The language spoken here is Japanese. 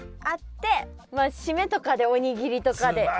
あって締めとかでおにぎりとかで。